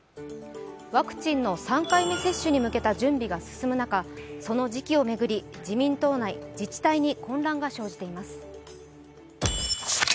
ワクチンの３回目接種に向けた準備が進む中、その時期を巡り、自民党内自治体に混乱が生じています。